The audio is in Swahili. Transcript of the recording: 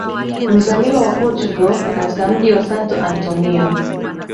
Mzaliwa wa portugal katika mji wa Santo Antonio